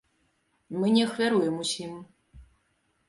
Мы не ахвяруем усім.